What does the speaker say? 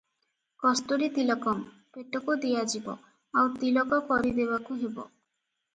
କସ୍ତୁରୀତିଳକଂ "ପେଟକୁ ଦିଆଯିବ, ଆଉ ତିଳକ କରିଦେବାକୁ ହେବ ।"